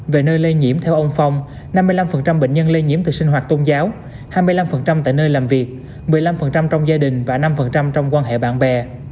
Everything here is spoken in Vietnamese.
về nơi lây nhiễm theo ông phong năm mươi năm bệnh nhân lây nhiễm từ sinh hoạt tôn giáo hai mươi năm tại nơi làm việc một mươi năm trong gia đình và năm trong quan hệ bạn bè